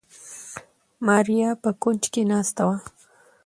ماريا په کونج کې ناسته وه.